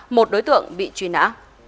một đối tượng bị truy nã